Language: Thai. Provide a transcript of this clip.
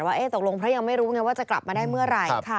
ว่าตกลงเพราะยังไม่รู้ไงว่าจะกลับมาได้เมื่อไหร่